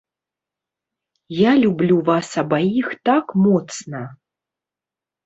Я люблю вас абаіх так моцна.